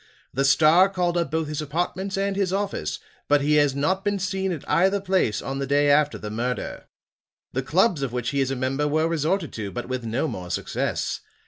The Star called up both his apartments and his office, but he had not been seen at either place on the day after the murder. The clubs of which he is a member were resorted to, but with no more success.